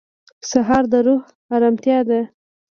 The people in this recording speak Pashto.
سهار د روح ارامتیا ده.